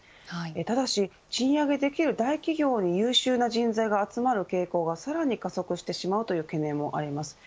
ただし、賃上げできる大企業に優秀な人材が集まる傾向がさらに加速してしまうという懸念もあります。